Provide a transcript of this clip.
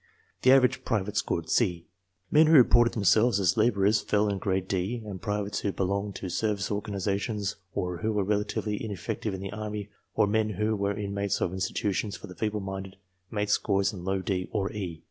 The average private scored C. Men who reported themselves as laborers fell in grade D and privates who belonged to service organizations or who were MAKING THE TESTS 9 relatively ineffective in the Army or men who were inmates of institutions for the feeble minded made scores in low D or E.